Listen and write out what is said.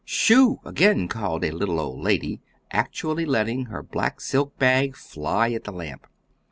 "Shoo!" again called a little old lady, actually letting her black silk bag fly at the lamp.